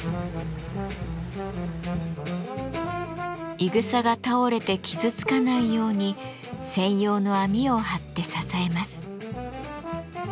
いぐさが倒れて傷つかないように専用の網を張って支えます。